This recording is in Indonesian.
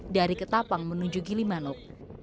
dari ketapang menuju gilimanuk